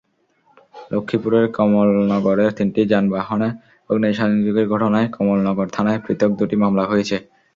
লক্ষ্মীপুরের কমলনগরে তিনটি যানবাহনে অগ্নিসংযোগের ঘটনায় কমলনগর থানায় পৃথক দুটি মামলা হয়েছে।